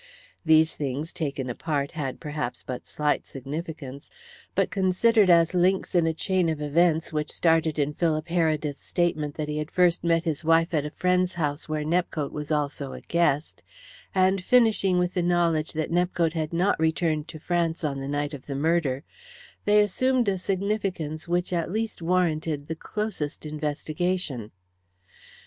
These things, taken apart, had perhaps but slight significance, but, considered as links in a chain of events which started in Philip Heredith's statement that he had first met his wife at a friend's house where Nepcote was also a guest, and finishing with the knowledge that Nepcote had not returned to France on the night of the murder, they assumed a significance which at least warranted the closest investigation.